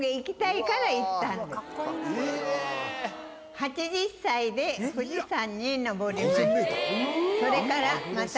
８０歳で富士山に登りました